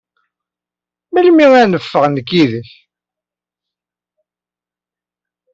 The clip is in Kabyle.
Melmi ara neffeɣ nekk yid-k?